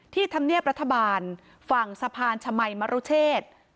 ธรรมเนียบรัฐบาลฝั่งสะพานชมัยมรุเชษ